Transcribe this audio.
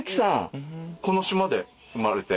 この島で生まれて？